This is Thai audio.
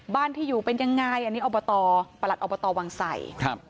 บ้านที่อยู่เป็นอย่างไรอันนี้ประหลัดอบตวังไสต์